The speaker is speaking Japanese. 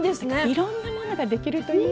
いろんなものができるといいね。